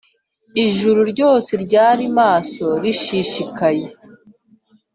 ijuru ryose ryari maso rishishikaye